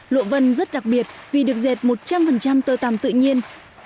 lụa vân rất đặc biệt vì được dệt một trăm linh tơ tằm tự nhiên